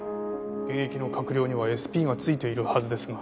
現役の閣僚にはＳＰがついているはずですが。